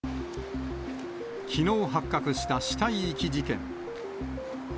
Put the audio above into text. きのう発覚した死体遺棄事件。